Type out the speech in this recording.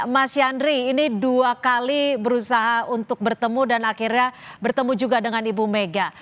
mas yandri ini dua kali berusaha untuk bertemu dan akhirnya bertemu juga dengan ibu mega